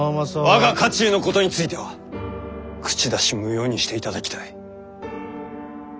我が家中のことについては口出し無用にしていただきたい。